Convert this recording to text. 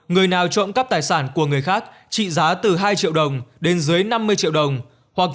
người nào trộm cắp tài sản của người khác trị giá từ hai triệu đồng đến dưới năm mươi triệu đồng